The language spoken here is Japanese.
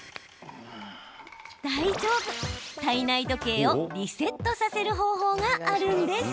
大丈夫、体内時計をリセットさせる方法があるんです。